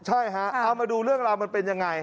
ใช่ฮะเอามาดูเรื่องราวมันเป็นยังไง